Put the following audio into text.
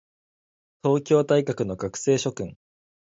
東京大学の学生諸君